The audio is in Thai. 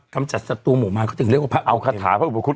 กำจัดศัตรูหมู่มานเขาถึงเรียกว่าพระอุปคุฎ